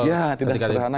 ya tidak sesederhana